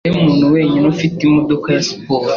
Niwowe muntu wenyine ufite imodoka ya siporo.